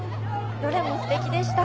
どれもすてきでした。